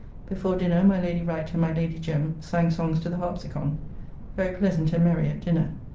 Before dinner, my Lady Wright and my Lady Jem. sang songs to the harpsicon. Very pleasant and merry at dinner.